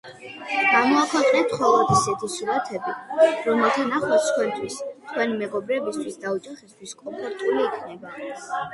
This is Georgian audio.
გამოაქვეყნეთ მხოლოდ ისეთი სურათები, რომელთა ნახვაც თქვენთვის, თქვენი მეგობრებისთვის და ოჯახისთვის კომფორტული იქნება.